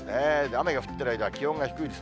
雨が降ってる間は気温が低いです。